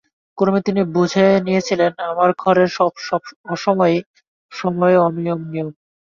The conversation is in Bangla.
ক্রমে তিনি বুঝে নিয়েছিলেন আমার ঘরে অসময়ই সময় এবং অনিয়মই নিয়ম।